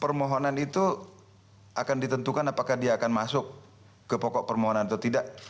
permohonan itu akan ditentukan apakah dia akan masuk ke pokok permohonan atau tidak